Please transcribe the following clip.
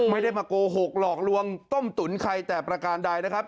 ไม่ได้มาโกหกหลอกลวงต้มตุ๋นใครแต่ประการใดนะครับ